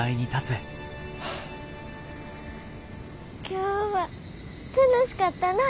今日は楽しかったな。